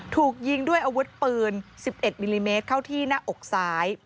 ถูกยิงด้วยอาวุธปืน๑๑มิลลิเมตรเข้าที่หน้าอกซ้าย